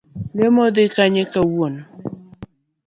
Lemo dhi kanye kawuono.